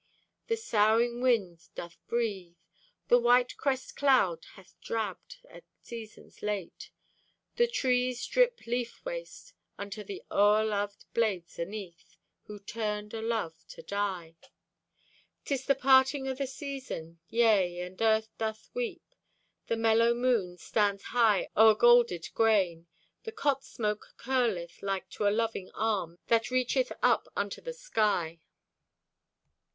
The soughing wind doth breathe. The white crest cloud hath drabbed At season's late. The trees drip leaf waste Unto the o'erloved blades aneath, Who burned o' love, to die. 'Tis the parting o' the season. Yea, and earth doth weep. The mellow moon Stands high o'er golded grain. The cot smoke Curleth like to a loving arm That reacheth up unto the sky.